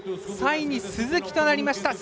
３位に鈴木となりました。